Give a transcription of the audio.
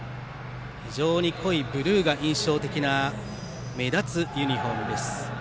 非常に濃いブルーが印象的な目立つユニフォームです。